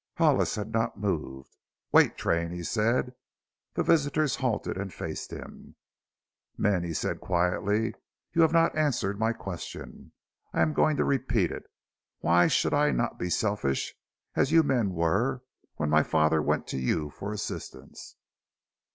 Hollis had not moved. "Wait, Train!" he said. The visitors halted and faced him. "Men," he said quietly, "you have not answered my question. I am going to repeat it: Why should I not be selfish, as you men were when my father went to you for assistance?"